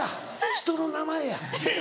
人の名前や。